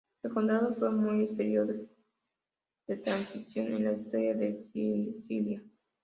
El condado fue, pues, un período de transición en la historia de Sicilia.